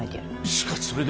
しかしそれでは。